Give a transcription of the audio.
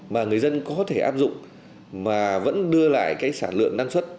mà người dân có thể áp dụng mà vẫn đưa lại cái sản lượng năng suất